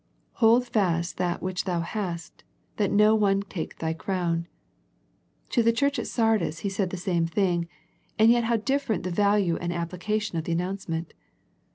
" Hold fast that which thou hast, that no one take thy crown." To the church at Sardis He said the same thing, and yet how different the value and application of the announcement.